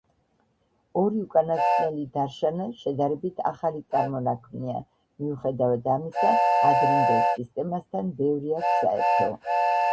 ორი უკანასკნელი დარშანა შედარებით ახალი წარმონაქმნია, მიუხედავად ამისა, ადრინდელ სისტემასთან ბევრი აქვს საერთო.